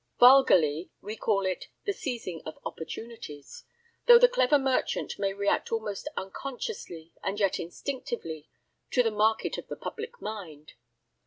Vulgarly, we call it the seizing of opportunities, though the clever merchant may react almost unconsciously and yet instinctively to the market of the public mind.